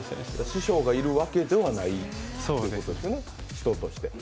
師匠がいるわけではないってことですね、人としては。